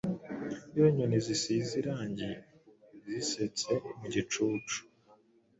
Iyo inyoni zisize irangi zisetse mu gicucu,